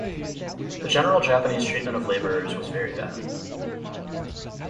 The general Japanese treatment of laborers was very bad.